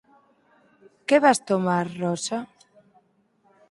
Que vas tomar, Rosa?